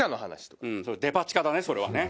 それデパ地下だねそれはね。